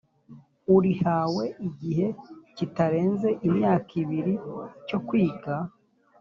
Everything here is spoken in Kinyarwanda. ur ihawe igihe kitarenze imyaka ibiri cyo kwiga